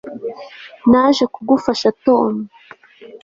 Naje kugufasha Tom